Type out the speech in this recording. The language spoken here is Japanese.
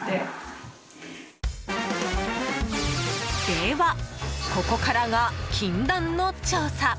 では、ここからが禁断の調査。